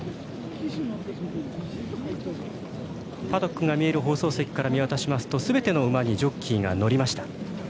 パドックが見える放送席から見渡しますとすべての馬にジョッキーが乗りました。